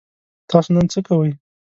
تاسو نن څه کوئ؟